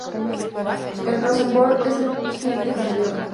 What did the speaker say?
El Rosenborg es el vigente campeón.